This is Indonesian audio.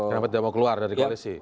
kenapa dia mau keluar dari kinesi